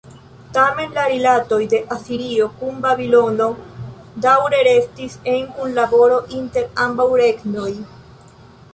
Tamen, la rilatoj de Asirio kun Babilono, daŭre restis en kunlaboro inter ambaŭ regnoj.